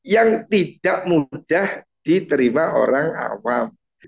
yang tidak mudah diterima orang awam